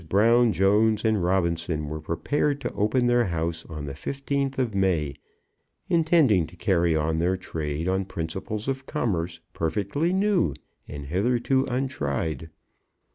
Brown, Jones, and Robinson were prepared to open their house on the 15th of May, intending to carry on their trade on principles of commerce perfectly new, and hitherto untried.